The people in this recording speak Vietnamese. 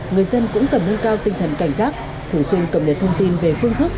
người dân cũng cần nâng cao tinh thần cảnh giác thử dung cầm liệt thông tin về phương thức